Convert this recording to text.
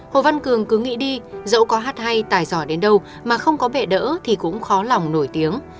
hồ văn cường cứ nghĩ đi dẫu có hát hay tài giỏi đến đâu mà không có bệ đỡ thì cũng khó lòng nổi tiếng